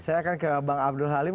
saya akan ke bang abdul halim